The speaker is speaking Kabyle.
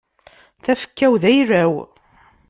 Tafekka-w d ayla-w.